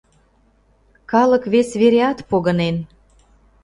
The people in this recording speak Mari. Калык вес вереат погынен.